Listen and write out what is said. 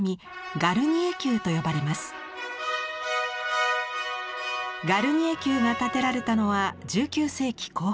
ガルニエ宮が建てられたのは１９世紀後半。